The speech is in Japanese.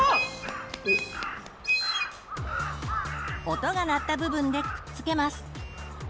音が鳴った部分でくっつけます。